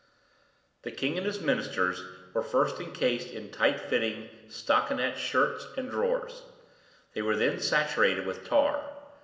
The king and his ministers were first encased in tight fitting stockinet shirts and drawers. They were then saturated with tar.